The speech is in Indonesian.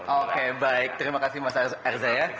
oke baik terima kasih mas arza ya